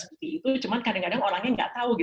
seperti itu cuma kadang kadang orangnya nggak tahu